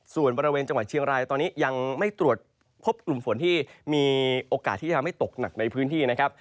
ส่วนบริเวณจังหวัดเชียงรายตอนนี้ยังไม่ตรวจพบกลุ่มฝนที่มีโอกาสที่จะทำให้ตกหนักในพื้นที่นะครับ